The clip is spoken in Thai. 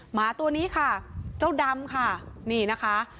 หมาตัวนี้ค่ะเจ้าดำค่ะนี่นะคะ